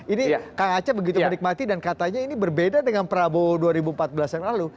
ini kang acep begitu menikmati dan katanya ini berbeda dengan prabowo dua ribu empat belas yang lalu